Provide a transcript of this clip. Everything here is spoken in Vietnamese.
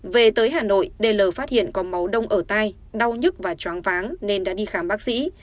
về tới hà nội d l phát hiện có máu đông ở tay đau nhức và chóng váng nên đã đi khám bác sĩ